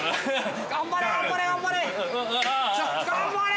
◆頑張れ頑張れ頑張れ頑張れ。